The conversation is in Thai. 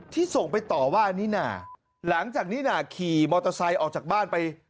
ที่ส่งไปต่อว่านิน่าหลังจากนิน่าขี่มอเตอร์ไซค์ออกจากบ้านไป